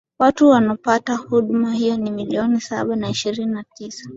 watu wanopata huduma hiyo ni milioni saba na ishirini na tisa